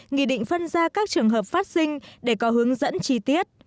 nghị định phân ra các trường hợp phát sinh để có hướng dẫn chi tiết